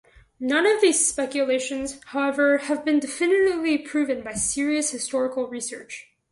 None of these speculations, however, have been definitely proven by serious historical research.